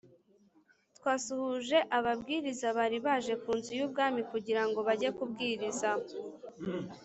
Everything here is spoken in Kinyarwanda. Twasuhuje ababwiriza bari baje ku nzu y ubwami kugira ngo bajye kubwiriza